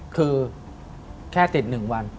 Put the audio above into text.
คือแค่ติดหนึ่งวัน